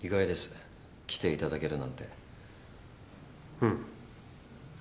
うん。